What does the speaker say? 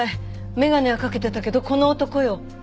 眼鏡はかけてたけどこの男よ。